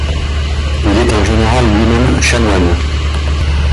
Il est en général lui-même chanoine.